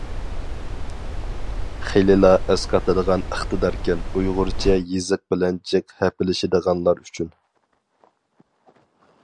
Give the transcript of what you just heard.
خېلىلا ئەسقاتىدىغان ئىقتىداركەن ئۇيغۇرچە يېزىق بىلەن جىق ھەپىلىشىدىغانلار ئۈچۈن.